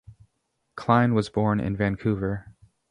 Clyne was born in Vancouver.